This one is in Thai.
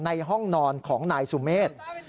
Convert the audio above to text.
ในห้องนอนของนายสุเมฆ